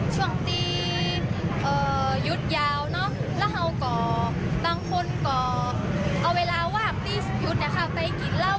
ช่วงที่ยึดยาวซึ่งอะไรก็ควรเอาเวลาว่างที่ยึดไปกินเล่า